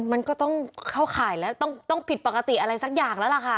มันก็ต้องเข้าข่ายแล้วต้องผิดปกติอะไรสักอย่างแล้วล่ะค่ะ